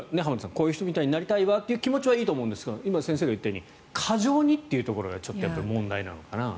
こういう人になりたいなというのはいいと思うんですけど今、先生が言ったように過剰にというところがちょっと問題なのかなと。